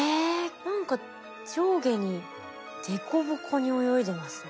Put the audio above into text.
何か上下に凸凹に泳いでますね。